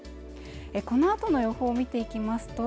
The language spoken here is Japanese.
このあとの予報見ていきますと